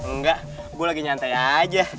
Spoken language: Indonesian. enggak gue lagi nyantai aja